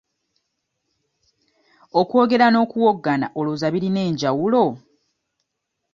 Okwogera n'okuwoggana olowooza birina enjawulo?